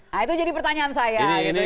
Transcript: nah itu jadi pertanyaan saya